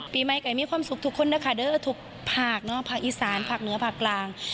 ปีใหม่ไก่มีความสุขทุกคนนะคะเด้อทุกภาคอีสานภาคเหนือภาคกลาง